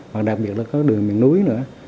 và đặc biệt là có đường miền núi nữa